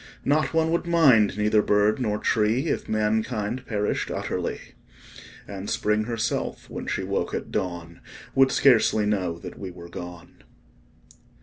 Not one would mind, neither bird nor tree If mankind perished utterly; And Spring herself, when she woke at dawn, Would scarcely know that we were gone.